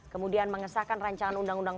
kemudian mengesahkan rancangan undang undang